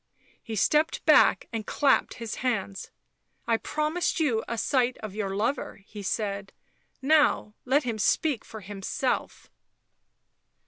He stepped back and clapped his hands. " I promised you a sight of your lover," he said. " Now let him speak for himself."